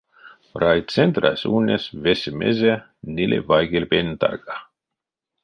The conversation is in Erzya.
Райцентрась ульнесь весемезэ ниле вайгельпень тарка.